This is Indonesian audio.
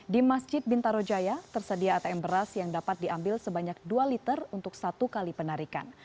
di masjid bintaro jaya tersedia atm beras yang dapat diambil sebanyak dua liter untuk satu kali penarikan